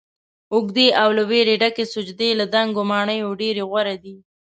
اوږدې او له ويرې ډکې سجدې له دنګو ماڼیو ډيرې غوره دي